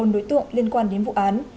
bốn đối tượng liên quan đến vụ án